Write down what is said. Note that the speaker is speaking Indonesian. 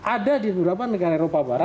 ada di beberapa negara eropa barat